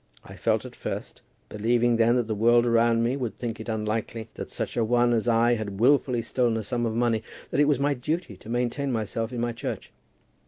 I felt at first, believing then that the world around me would think it unlikely that such a one as I had wilfully stolen a sum of money, that it was my duty to maintain myself in my church.